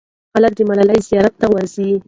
خلک د ملالۍ زیارت ته ورځي.